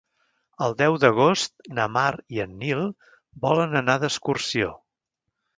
El deu d'agost na Mar i en Nil volen anar d'excursió.